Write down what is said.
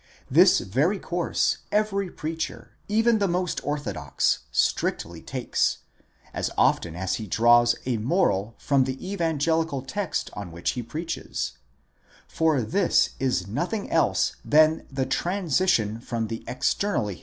This very course every preacher, even the most orthodox, strictly takes, as often as he draws a moral from the evangelical text on which he preaches: for this is nothing else than the transition from the externally.